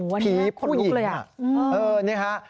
วันนี้ผู้หลุกเลยผีผู้หญิงนี่ค่ะ